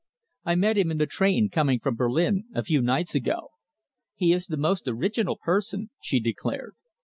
"I met him in the train coming from Berlin, a few nights ago." "He is the most original person," she declared.